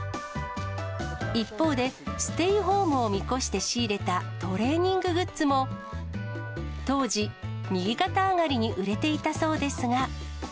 一方で、ステイホームを見越して仕入れたトレーニンググッズも、当時、右肩上がりに売れていたそうですが。